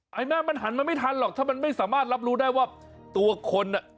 ให้แมวมันหันไม่ทันหรอกถ้าไม่สามารถรับรู้ได้ว่าตัวคนอ่ะ